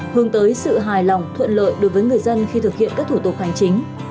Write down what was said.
hướng tới sự hài lòng thuận lợi đối với người dân khi thực hiện các thủ tục hành chính